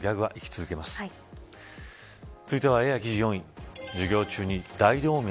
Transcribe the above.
続いてはＡＩ記事、４位。